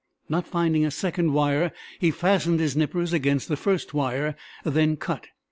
Not finding a second wire, he fastened his nippers against the first wire then cut.